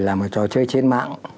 là một trò chơi trên mạng